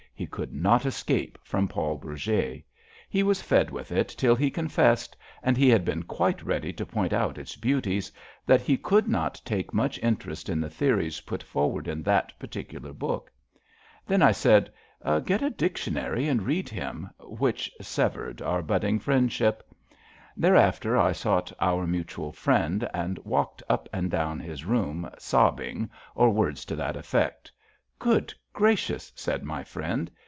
He could not escape from Paul Bourget. He was fed with it till he confessed— and he had been quite ready to point out its beauties — ^that we could not take much interest in the theories put forward in that particular book. Then I said: Get a dictionarji] THE THEEE YOUNG MEN 261 and read him/' which severed our budding friend ship. Thereafter I sought our Mutual Friend and walked up and down his room sobbing, or words to that effect. ^* Good gracious !'' said my friend.